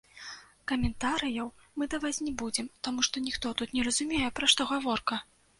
Каментарыяў мы даваць не будзем, таму што ніхто тут не разумее, пра што гаворка.